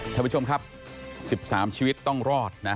ท่านผู้ชมครับ๑๓ชีวิตต้องรอดนะ